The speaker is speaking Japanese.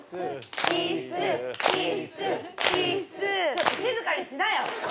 ちょっと静かにしなよ。